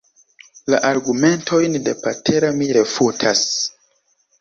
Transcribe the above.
La argumentojn de Patera mi refutas.